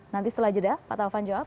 nanti setelah jeda pak taufan jawab